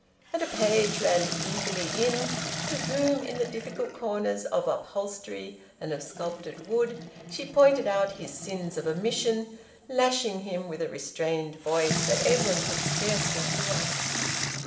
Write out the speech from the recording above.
And a page ran eagerly in, to whom, in the difficult corners of upholstery and of sculptured wood, she pointed out his sins of omission, lashing him with a restrained voice that Edwin could scarcely hear.